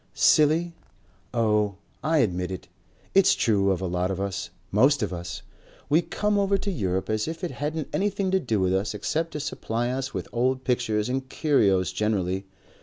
"Silly? Oh! I admit it. It's true of a lot of us. Most of us. We come over to Europe as if it hadn't anything to do with us except to supply us with old pictures and curios generally.